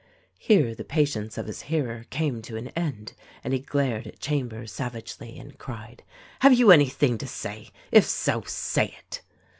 Here the patience of his hearer came to an end and he glared at Chambers, savagely, and cried: "Have you any thing to say? If so, say it!"